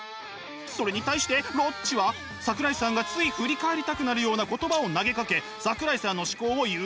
それに対してロッチは桜井さんがつい振り返りたくなるような言葉を投げかけ桜井さんの思考を誘惑します。